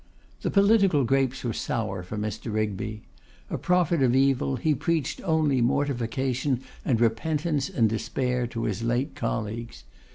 The political grapes were sour for Mr. Rigby; a prophet of evil, he preached only mortification and repentance and despair to his late colleagues.